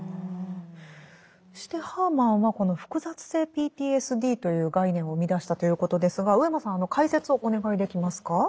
そしてハーマンはこの複雑性ＰＴＳＤという概念を生み出したということですが上間さん解説をお願いできますか。